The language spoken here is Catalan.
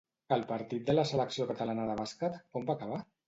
El partit de la selecció catalana de bàsquet com va acabar?